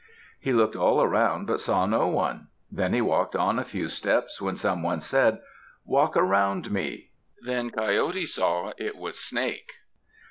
He looked all around but saw no one. Then he walked on a few steps, when some one said, "Walk around me!" Then Coyote saw it was Snake.